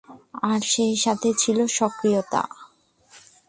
আর সেই সাথে ছিল স্বকীয়তা।